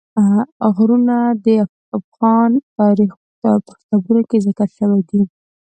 غرونه د افغان تاریخ په کتابونو کې ذکر شوی دي.